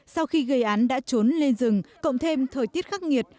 sau khi gây án đã trốn lên rừng cộng thêm thời tiết khắc nghiệt